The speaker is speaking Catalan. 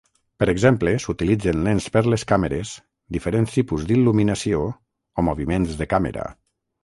Per exemple, s'utilitzen lents per les càmeres, diferents tipus d'il·luminació o moviments de càmera.